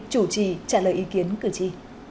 chủ trì trả lời ý kiến cử tri